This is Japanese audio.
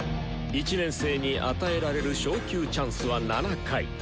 １年生に与えられる昇級チャンスは７回。